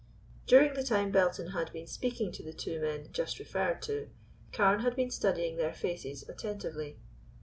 During the time Belton had been speaking to the two men just referred to, Carne had been studying their faces attentively.